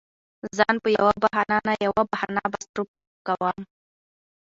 ځان په يوه بهانه نه يوه بهانه مصروف کوم.